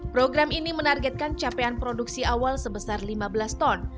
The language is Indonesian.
program ini menargetkan capaian produksi awal sebesar lima belas ton